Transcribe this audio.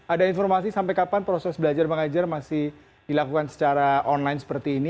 ada informasi sampai kapan proses belajar mengajar masih dilakukan secara online seperti ini